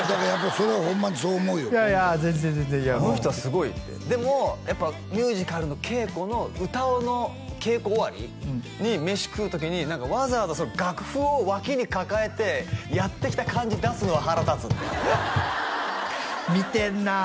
それはホンマにそう思うよいやいや全然全然あの人はすごいってでもミュージカルの稽古の歌の稽古終わりにメシ食う時にわざわざ楽譜を脇に抱えてやってきた感じ出すのは腹立つって見てんなあ